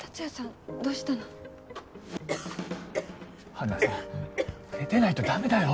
陽菜さん寝てないとだめだよ。